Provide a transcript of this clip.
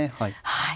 はい。